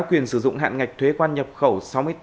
quyền sử dụng hạn ngạch thuế quan nhập khẩu